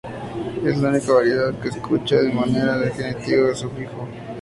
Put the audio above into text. Es la única variedad de quechua que marca el genitivo con el sufijo "-pi.